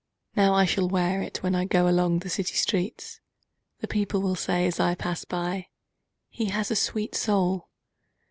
Now I shall wear itWhen I goAlong the city streets:The people will sayAs I pass by—"He has a sweet soul!"